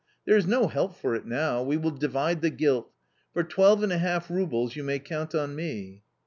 There is no help for it now, we will divide the guilt ; for twelve and a half roubles you may count on me."